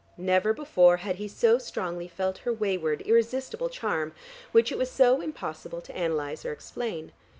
Never before had he so strongly felt her wayward, irresistible charm, which it was so impossible to analyse or explain.